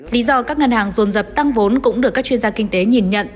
lý do các ngân hàng dồn rập tăng vốn cũng được các chuyên gia kinh tế nhìn nhận